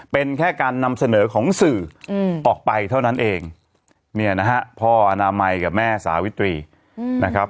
เป็นแค่การนำเสนอของสื่อออกไปเท่านั้นเองเนี่ยนะฮะพ่ออนามัยกับแม่สาวิตรีนะครับ